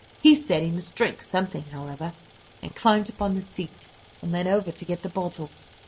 He said he must drink something, however, and climbed upon the seat, and leant over to get the bottle.